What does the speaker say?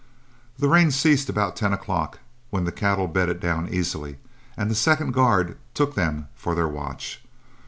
The rain ceased about ten o'clock, when the cattle bedded down easily, and the second guard took them for their watch.